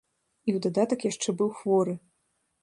І ў дадатак яшчэ быў хворы.